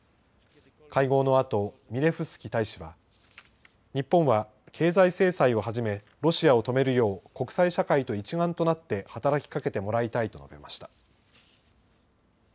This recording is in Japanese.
会合のあとミレフスキ大使は日本は経済制裁をはじめロシアを止めるよう国際社会と一丸となって働きかけてもらいたいと述べました。